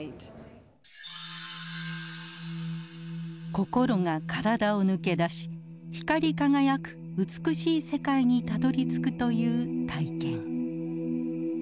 心が体を抜け出し光り輝く美しい世界にたどりつくという体験。